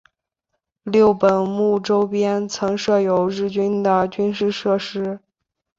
六本木周边曾设有日军的军事设施。